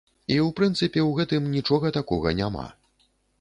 І ў прынцыпе ў гэтым нічога такога няма.